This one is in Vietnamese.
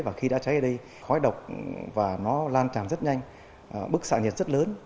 và khi đã cháy ở đây khói độc và nó lan tràn rất nhanh bức xạ nhiệt rất lớn